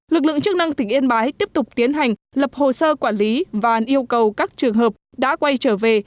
lực lượng chức năng tỉnh yên bái tiếp tục tiến hành lập hồ sơ quản lý và yêu cầu các trường hợp đã quay trở về